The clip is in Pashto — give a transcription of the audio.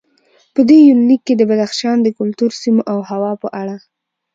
په دې یونلیک کې د بدخشان د کلتور، سیمو او هوا په اړه